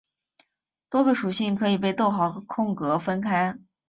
多个属性可以被逗号和空格分开。